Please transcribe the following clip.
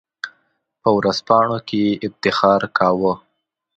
په ورځپاڼو کې یې افتخار کاوه.